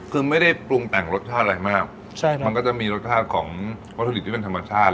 คือไม่ได้ปรุงแต่งรสชาติอะไรมากใช่ครับมันก็จะมีรสชาติของวัตถุดิบที่เป็นธรรมชาติ